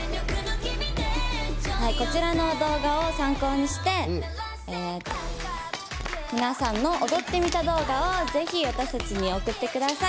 こちらの動画を参考にして皆さんの踊ってみた動画をぜひ私たちに送ってください。